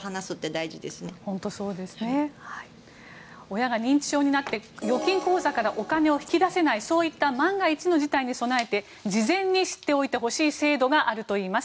親が認知症になって預金口座からお金を引き出せないそういった万が一の事態に備えて事前に知っておいてほしい制度があるといいます。